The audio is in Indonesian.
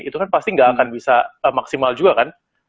itu kan pasti nggak akan bisa maksimal juga kan